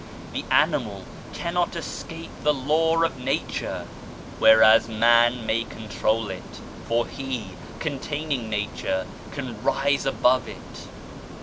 The animal cannot escape the law of Nature, whereas man may control it, for he, containing nature, can rise above it.